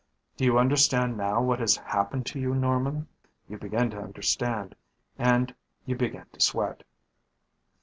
"Do you understand now what has happened to you, Norman?" You begin to understand. And you begin to sweat.